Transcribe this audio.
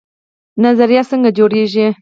نظریه څنګه جوړیږي؟